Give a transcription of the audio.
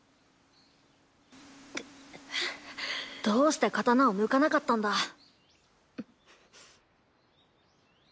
どうして刀を抜かなかったんだ。